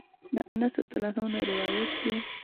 د انس رضی الله عنه نه روايت دی: